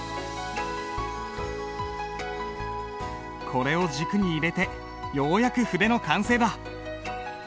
これを軸に入れてようやく筆の完成だ。